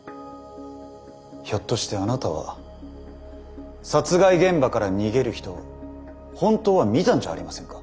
ひょっとしてあなたは殺害現場から逃げる人を本当は見たんじゃありませんか？